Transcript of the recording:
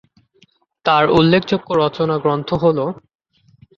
তার উল্লেখযোগ্য রচনা গ্রন্থ হল-